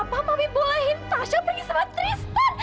kenapa mami bolehin tasya pergi sama tristan